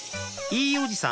いいおじさん